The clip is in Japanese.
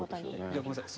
ごめんなさい。